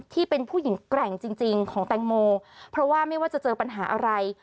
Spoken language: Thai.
ที่เป็นผู้หญิงแกร่งจริงของแตงโมเพราะว่าไม่ว่าจะเจอปัญหาอะไร